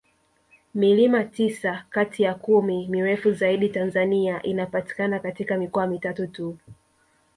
Milima tisa kati ya kumi mirefu zaidi Tanzania inapatikana katika mikoa mitatu tu